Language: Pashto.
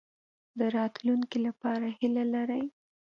د راتلونکي لپاره هیله لرئ؟